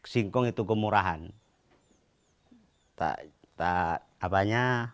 singkong itu kemurahan sebelum ada dijadikan kripik itu kemurahan kripik singkong